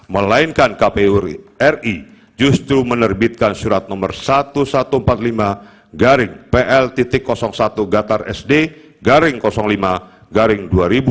melainkan kpu ri justru menerbitkan surat nomor seribu satu ratus empat puluh lima pl satu gatar sd garing lima garing dua ribu dua puluh